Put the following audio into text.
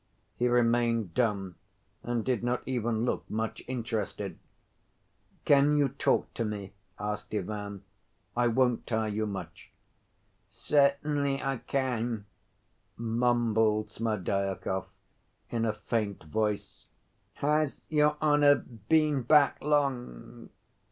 He remained dumb, and did not even look much interested. "Can you talk to me?" asked Ivan. "I won't tire you much." "Certainly I can," mumbled Smerdyakov, in a faint voice. "Has your honor been back long?"